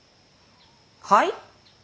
はい？